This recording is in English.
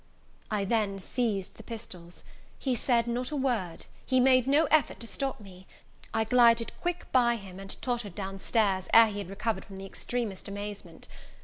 I then seized the pistols; he said not a word, he made no effort to stop me; I glided quick by him, and tottered down stairs ere he had recovered from the extremest amazement.